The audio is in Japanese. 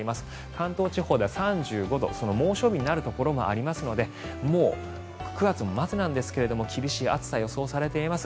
関東地方では３５度猛暑日になるところもありますのでもう９月の末なんですが厳しい暑さが予想されています。